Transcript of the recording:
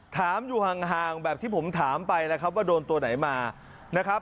ถามอยู่ห่างแบบที่ผมถามไปแล้วครับว่าโดนตัวไหนมานะครับ